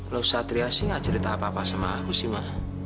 loh satria sih gak cerita apa apa sama aku sih mah